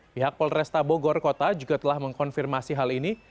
pihak polresta bogor kota juga telah mengkonfirmasi hal ini